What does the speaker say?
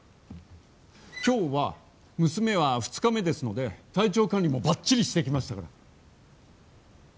今日は、娘は２日目ですので体調管理もばっちりしてきましたから！